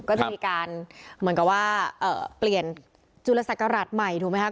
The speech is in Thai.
ก็จะมีการเหมือนกับว่าเปลี่ยนจุลศักราชใหม่ถูกไหมคะ